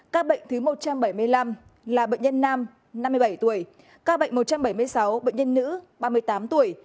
các bệnh thứ một trăm bảy mươi năm là bệnh nhân nam năm mươi bảy tuổi ca bệnh một trăm bảy mươi sáu bệnh nhân nữ ba mươi tám tuổi